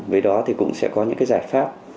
với đó thì cũng sẽ có những giải pháp